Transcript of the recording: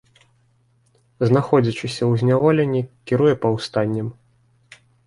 Знаходзячыся ў зняволенні, кіруе паўстаннем.